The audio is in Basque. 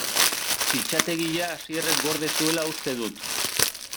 Fitxategia Asierrek gorde zuela uste dut.